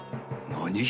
何！？